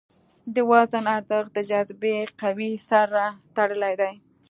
د وزن ارزښت د جاذبې قوې سره تړلی دی.